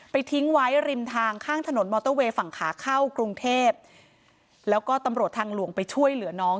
ทิ้งไว้ริมทางข้างถนนมอเตอร์เวย์ฝั่งขาเข้ากรุงเทพแล้วก็ตำรวจทางหลวงไปช่วยเหลือน้อง